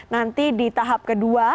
nanti di tahap kedua